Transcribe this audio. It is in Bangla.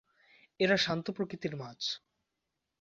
এরা শান্ত প্রকৃতির মাছ।